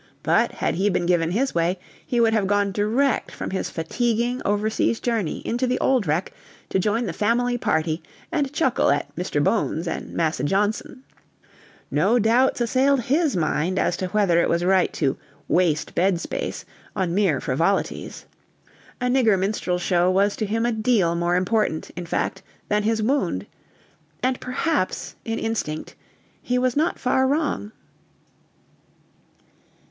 But, had he been given his way, he would have gone direct from his fatiguing overseas journey into the Old Rec. to join the family party and chuckle at Mr. Bones and Massa Jawns'n.... No doubts assailed his mind as to whether it was right to "waste bed space" on mere frivolities. A nigger minstrel show was to him a deal more important, in fact, than his wound. And perhaps, in instinct, he was not far wrong.